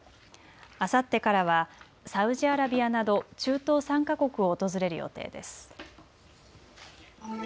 あさってからはサウジアラビアなど中東３か国を訪れる予定です。